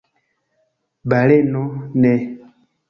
Baleno: "Ne."